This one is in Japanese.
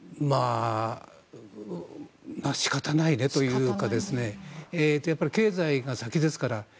仕方ないねというか経済が先ですから。